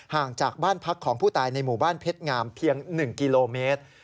ห่างจากบ้านพักของผู้ตายในหมู่บ้านเพชรงามเพียง๑กิโลเมตร